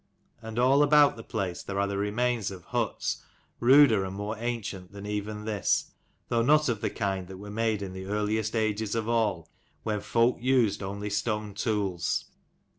And all about the place there are the remains of huts ruder and more ancient than even this, though not of the kind that were made in the earliest 93 ages of all, when folk used only stone tools.